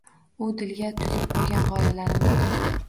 U dilga tugib qo‘ygan g‘oyalarim bor.